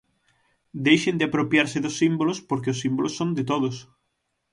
Deixen de apropiarse dos símbolos porque os símbolos son de todos.